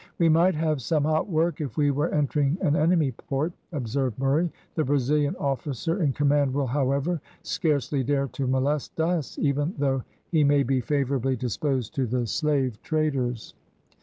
"We might have some hot work if we were entering an enemy port," observed Murray. "The Brazilian officer in command will, however, scarcely dare to molest us, even though he may be favourably disposed to the slave traders."